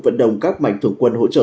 vận động các mảnh thường quân hỗ trợ